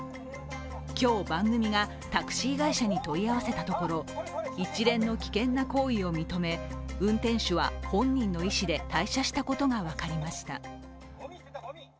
今日番組がタクシー会社に問い合わせたところ、一連の危険な行為を認め運転手は本人の意思で退社したことが分かりました。